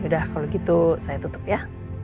yaudah kalau begitu saya tutup ya